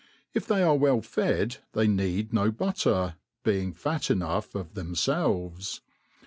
If they are well fed they need no butter, being fat enough of themfelves.